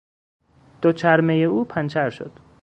دوچرمهٔ او پنچر شد.